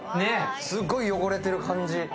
すごい汚れてる感じ。